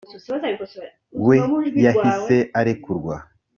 we yahise arekurwa